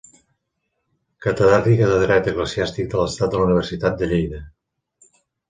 Catedràtica de dret eclesiàstic de l’Estat de la Universitat de Lleida.